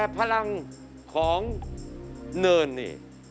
พลังของเนินนี่